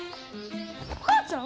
お母ちゃん？